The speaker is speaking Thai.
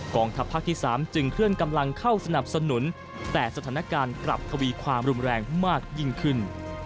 ทัพภาคที่๓จึงเคลื่อนกำลังเข้าสนับสนุนแต่สถานการณ์กลับทวีความรุนแรงมากยิ่งขึ้น